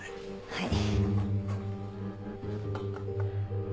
はい。